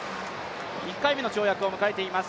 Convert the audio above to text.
１回目の跳躍を迎えています